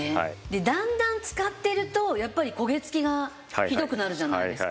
だんだん使ってるとやっぱり焦げつきがひどくなるじゃないですか。